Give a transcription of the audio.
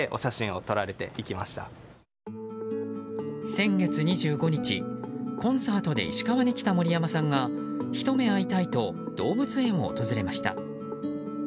先月２５日、コンサートで石川に来た森山さんがひと目会いたいと動物園を訪れました。